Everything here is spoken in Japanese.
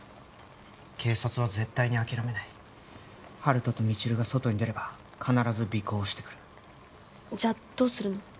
警察は絶対に諦めない温人と未知留が外に出れば必ず尾行してくるじゃどうするの？